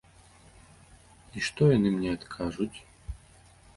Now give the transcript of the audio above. І што яны мне адкажуць?